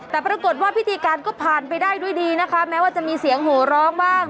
แต่ปรากฏว่าพิธีการก็ผ่านไปได้ด้วยดีนะคะแม้ว่าจะมีเสียงโหร้องบ้าง